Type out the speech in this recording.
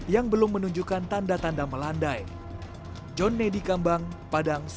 jangan lupa like share dan subscribe ya